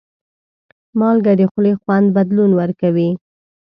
مالګه د خولې خوند بدلون ورکوي.